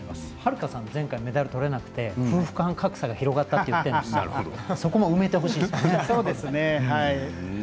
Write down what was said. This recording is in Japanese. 悠さん、前回メダルとれなくて夫婦間格差が広がったといっているのでそこも埋めてほしいですね。